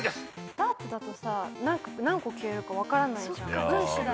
ダーツだとさ何個消えるか分からないじゃん